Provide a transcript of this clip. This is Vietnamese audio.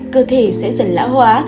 cơ thể sẽ dần lão hóa